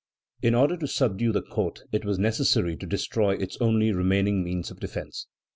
In order to subdue the court, it was necessary to destroy its only remaining means of defence.